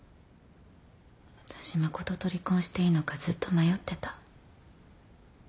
私誠と離婚していいのかずっと迷ってた。